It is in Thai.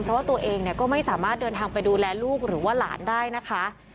เพราะว่าตัวเองก็ไม่สามารถเดินทางไปดูแลลูกหรือว่าหลานได้นะคะ